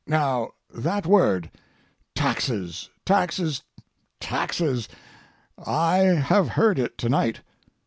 Now, that word—taxes, taxes, taxes! I have heard it to night.